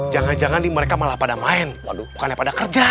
jangan jangan mereka malah pada main waduh bukannya pada kerja